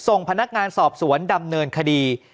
ส่งพนักงานสอบสวนดำเนินคดี